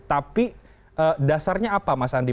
tapi dasarnya apa mas andi